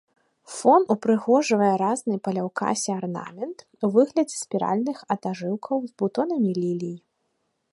Фон упрыгожвае разны па ляўкасе арнамент у выглядзе спіральных атожылкаў з бутонамі лілей.